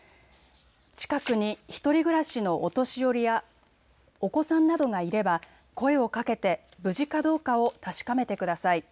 近くに１人暮らしのお年寄りやお子さんなどがいれば声をかけて無事かどうかを確かめてください。